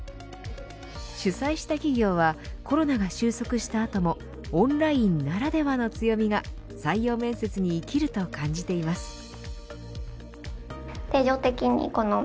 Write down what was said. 取材した企業はコロナが収束した後もオンラインならではの強みが採用面接に生きると感じています。